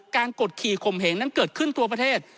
กดขี่ข่มเหงนั้นเกิดขึ้นทั่วประเทศ